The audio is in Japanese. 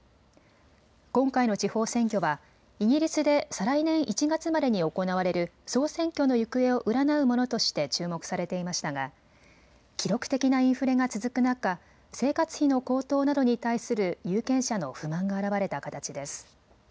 今回の地方選挙はイギリスで再来年１月までに行われる総選挙の行方を占うものとして注目されていましたが記録的なインフレが続く中、生活費の高騰などに対する有権者の不満が表れた形です。